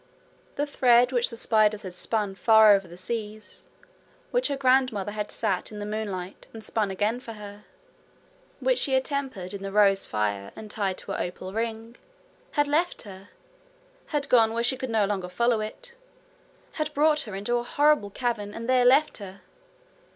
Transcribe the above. The thread which the spiders had spun far over the seas, which her grandmother had sat in the moonlight and spun again for her, which she had tempered in the rose fire and tied to her opal ring, had left her had gone where she could no longer follow it had brought her into a horrible cavern, and there left her!